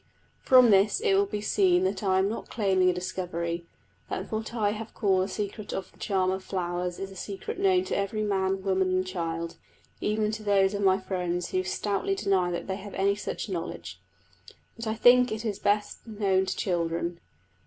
From this it will be seen that I am not claiming a discovery; that what I have called a secret of the charm of flowers is a secret known to every man, woman, and child, even to those of my own friends who stoutly deny that they have any such knowledge. But I think it is best known to children.